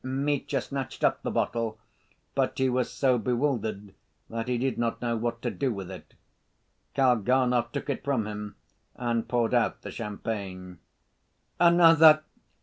Mitya snatched up the bottle, but he was so bewildered that he did not know what to do with it. Kalganov took it from him and poured out the champagne. "Another!